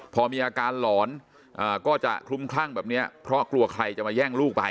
พอมีอาการหลอนก็จะคลุมคลั่งแบบนี้เพราะกลัวใครจะมาแย่งลูกไป